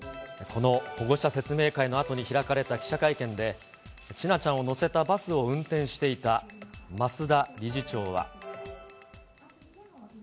この保護者説明会のあとに開かれた記者会見で、千奈ちゃんを乗せたバスを運転していた増田理事長は。